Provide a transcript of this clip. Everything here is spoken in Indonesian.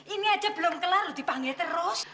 ini aja belum kelaru dipanggil terus